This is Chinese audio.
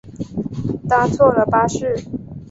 搭错了巴士